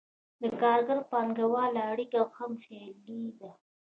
د کارګر او پانګهوال اړیکه هم خیالي ده.